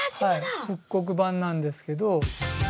これは復刻版なんですけど。